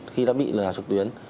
khi đã bị lừa đảo trực tuyến